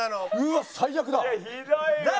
うわっ最悪だ。